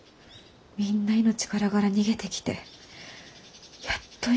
みんな命からがら逃げてきてやっと生き延びたって。